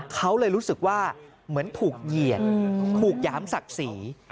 เขาเลยรู้สึกว่าเหมือนถูกเหยียดถูกหยามศักดิ์ศรี